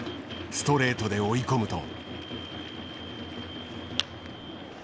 ストレートで追い込むと。